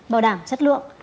bảo đảm chất lượng